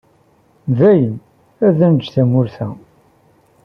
Dayen, ad neǧǧ tamurt-a.